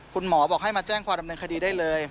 คุณหมอบอกให้มาแจ้งความดำเนินคดีได้เลย